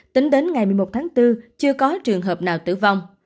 tính đến ngày một mươi một tháng bốn chưa có trường hợp nào tử vong